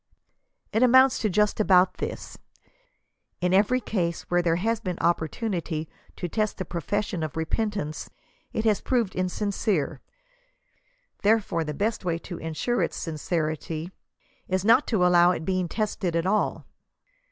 It amounts to just about this : In every case where there has been opportunity to test the profession of repentance, it has proved insincere, therefore the best way to ensure its smcerity is not to allow its being tested at ail.